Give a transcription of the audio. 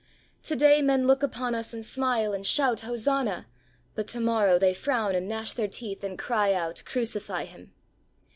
To day men look upon us and smile and shout '' Hosanna !" but to morrow they frown and gnash their teeth and cry out, "Crucify Him."